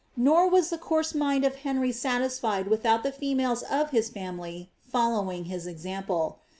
Nor wu the coarse mind of Henry satisfied without the females of his hnaij fol lowed his example.